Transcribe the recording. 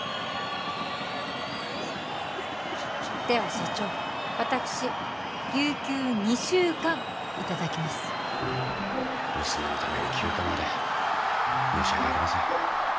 では社長私有給２週間いただきます娘のために休暇まで申し訳ありません